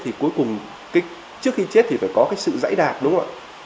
thì cuối cùng trước khi chết thì phải có cái sự dãy đạt đúng không ạ